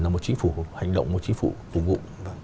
là một chính phủ hành động một chính phủ phục vụ